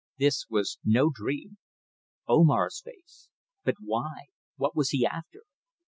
This was no dream. Omar's face. But why? What was he after?